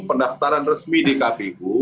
pendaftaran resmi di kpu